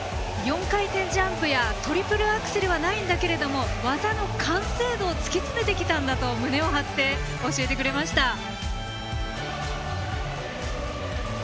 ４回転ジャンプやトリプルアクセルはないんだけれども技の完成度を突き詰めてきたと胸を張って教えてくれました。